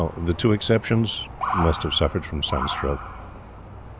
The two exceptions must have suffered from sunstroke.